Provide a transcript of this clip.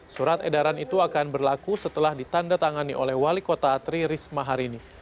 surat edaran itu akan berlaku setelah ditanda tangani oleh wali kota tri risma hari ini